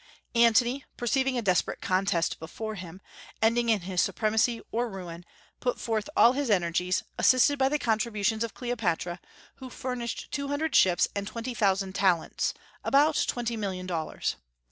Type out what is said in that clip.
Antony, perceiving a desperate contest before him, ending in his supremacy or ruin, put forth all his energies, assisted by the contributions of Cleopatra, who furnished two hundred ships and twenty thousand talents, about twenty million dollars.